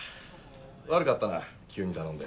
悪かったな急に頼んで。